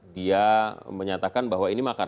dia menyatakan bahwa ini makar